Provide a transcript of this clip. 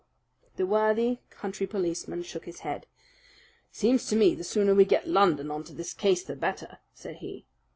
The worthy country policeman shook his head. "Seems to me the sooner we get London on to this case the better," said he.